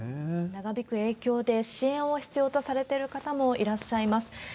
長引く影響で、支援を必要とされてる方もいらっしゃいます。